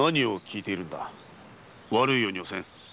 悪いようにはせん。